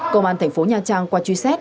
công an thành phố nha trang qua truy xét